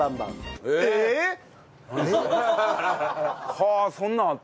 はあそんなんあった？